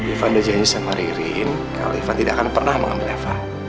ivan berjanji sama rindu kalau ivan tidak akan pernah mengambil eva